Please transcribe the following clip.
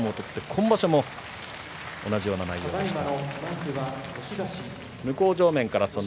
今場所も同じような相撲でした。